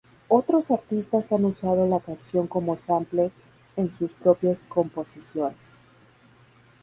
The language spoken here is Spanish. Otros artistas han usado la canción como sample en sus propias composiciones.